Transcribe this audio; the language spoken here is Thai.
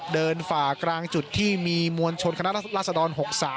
เดินฝากกลางจุดที่มีมวลชนคณะรัศดร๖๓